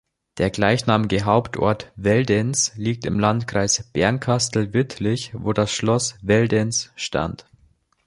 Der gleichnamige Hauptort Veldenz liegt im Landkreis Bernkastel-Wittlich, wo das Schloss Veldenz stand.